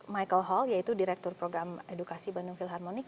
michael hall yaitu direktur program edukasi bandung philharmonic